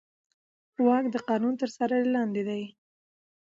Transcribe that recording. واک د قانون تر څار لاندې دی.